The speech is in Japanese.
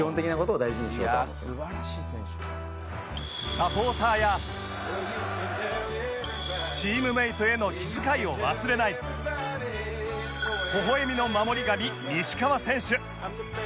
サポーターやチームメイトへの気遣いを忘れないほほえみの守り神西川選手